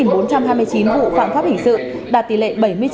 vụ phạm pháp hình sự đạt tỷ lệ